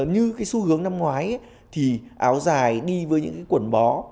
như cái xu hướng năm ngoái thì áo dài đi với những cái quần bó